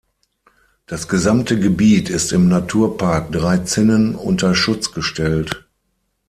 Das gesamte Gebiet ist im Naturpark Drei Zinnen unter Schutz gestellt.